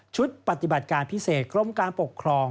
ปฏิบัติการพิเศษกรมการปกครอง